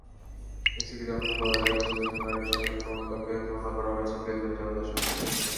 মেসিকে যেমন সুয়ারেজ, নেইমারের সঙ্গে, রোনালদোকে তুলনা করা হয়েছে বেল, বেনজেমাদের সঙ্গে।